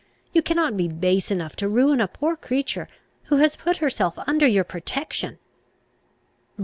You cannot be base enough to ruin a poor creature who has put herself under your protection!